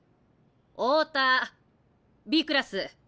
太田Ｂクラス。